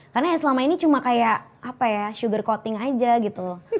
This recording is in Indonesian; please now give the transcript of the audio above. karena ya selama ini cuma kayak sugar coating aja gitu